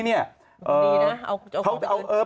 ดีนะเอาของไปคืน